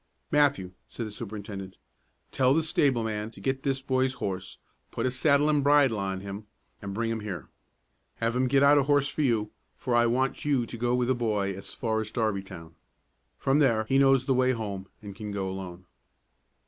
"Matthew," said the superintendent, "tell the stable man to get this boy's horse, put a saddle and bridle on him, and bring him here. Have him get out a horse for you, for I want you to go with the boy as far as Darbytown. From there he knows the way home, and can go alone."